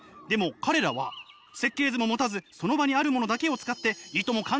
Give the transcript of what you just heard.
でも彼らは設計図も持たずその場にあるものだけを使っていとも